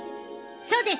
そうです。